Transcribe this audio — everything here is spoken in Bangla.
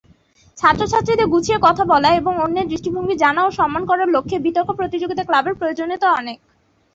ছাত্র-ছাত্রীদের গুছিয়ে কথা বলা এবং অন্যের দৃষ্টিভঙ্গি জানা ও সম্মান করার লক্ষ্যে বিতর্ক প্রতিযোগিতা ক্লাবের প্রয়োজনীয়তা অনেক।